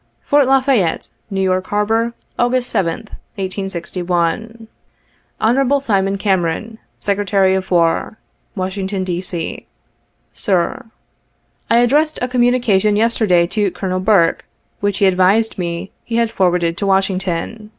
"Fort La Fayette, N. Y. Harbor, August 7th, 1861. "Hon. SIMON CAMERON, Sec'ry of War, " Washington, D. C. "Sir:— "I addressed a communication yesterday to Colonel Burke, which he advised me he has forwarded to Washington.